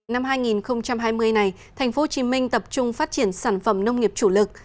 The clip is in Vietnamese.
năm hai nghìn hai mươi này tp hcm tập trung phát triển sản phẩm nông nghiệp chủ lực